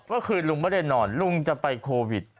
เมื่อคืนลุงไม่ได้นอนลุงจะไปโควิด